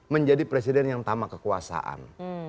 menjadi presiden yang tama kekuasaan